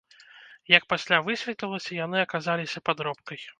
Як пасля высветлілася, яны аказаліся падробкай.